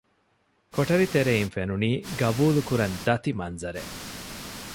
ކޮޓަރި ތެރެއިން ފެނުނީ ގަބޫލު ކުރަން ދަތި މަންޒަރެއް